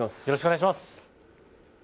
よろしくお願いします。